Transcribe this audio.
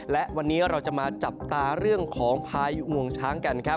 และวันนี้เราจะมาจับตาเรื่องของพายุงวงช้างกันครับ